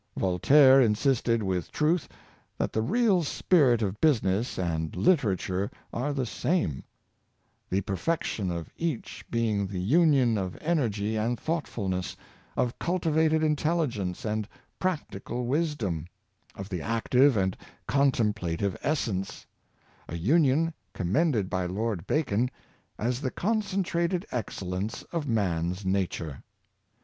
Voltaire insisted with truth that the real spirit of business and literature are the same; the perfection of each being the union of energy and thoughtfulness, of cultivated intelligence and prac tical wisdom, of the active and contemplative essence — a union commended by Lord Bacon as the concentrated excellence of man's nature.